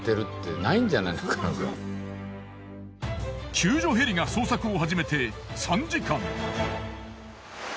救助ヘリが捜索を始めて３時間。